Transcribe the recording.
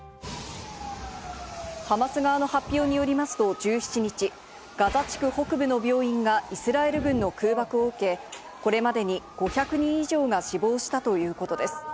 ハマス側の発表によりますと１７日、ガザ地区北部の病院がイスラエル軍の空爆を受け、これまでに５００人以上が死亡したということです。